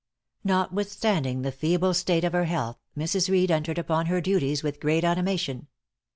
Notwithstanding the feeble state of her health, Mrs. Reed entered upon her duties with great animation.